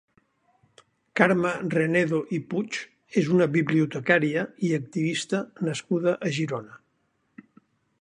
Carme Renedo i Puig és una bibliotecària i activista nascuda a Girona.